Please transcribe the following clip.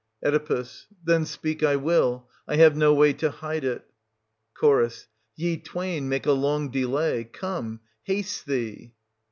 Oe. Then speak I will — I have no way to hide it. Ch. Ye twain make a long delay — come, haste thee!